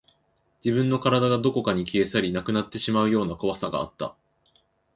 自分の体がどこかに消え去り、なくなってしまうような怖さがあった